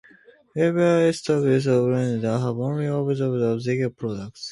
Heavier isotopes of rutherfordium have only been observed as decay products.